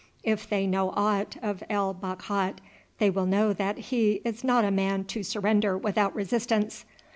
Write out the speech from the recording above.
If they know aught of El Bakhat they will know that he is not a man to surrender without resistance.